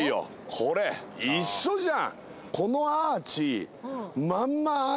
もろ一緒じゃん。